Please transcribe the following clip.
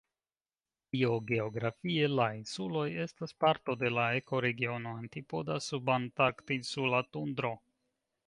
Biogeografie, la insuloj estas parto de la ekoregiono "antipoda-subantarktinsula tundro".